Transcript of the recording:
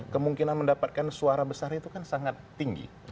kemungkinan mendapatkan suara besar itu kan sangat tinggi